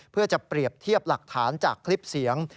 เพื่อจะเปรียบเทียบหลักฐานจากคลิปเสียง